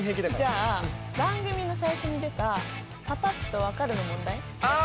じゃあ番組の最初に出た「パパっと分かる」の問題やってみて。